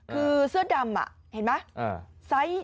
คือเสื้อดำอะเห็นมั้ย